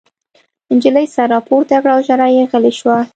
نجلۍ سر راپورته کړ او ژړا یې غلې شوه